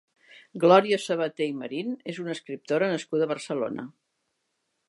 Glòria Sabaté i Marín és una escriptora nascuda a Barcelona.